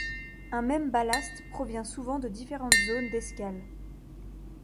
Un même ballast provient souvent de différentes zones d'escales.